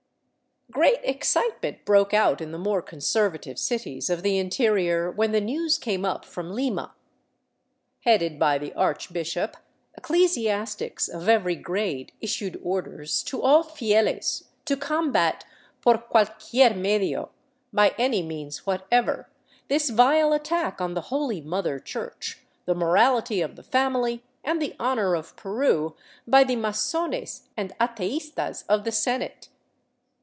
Great excitement broke out in the more " conservative " cities of the interior when the news came up from Lima. Headed by the archbishop, ecclesiastics of every grade issued orders, to all fieles to combat " por cualquier medio — by any means whatever, this vile attack on the Holy Mother Church, the morality of the family, and the honor of Peru by the masones and ateistas of the Senate."